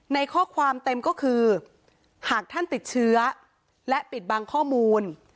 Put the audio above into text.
ในข้อความเต็มก็คือหากท่านติดเชื้อและปิดบังข้อมูล